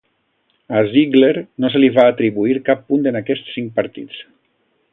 A Ziegler no se li va atribuir cap punt en aquests cinc partits.